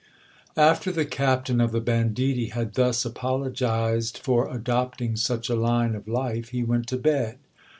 After the captain of the banditti had thus apologized for adopting such a line of life, he went to bed.